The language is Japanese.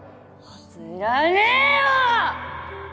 知らねえよっ！